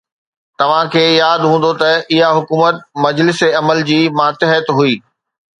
توهان کي ياد هوندو ته اها حڪومت مجلس عمل جي ماتحت هئي.